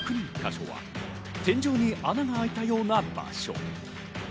箇所は天井に穴が開いたような場所。